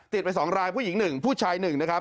ไป๒รายผู้หญิง๑ผู้ชาย๑นะครับ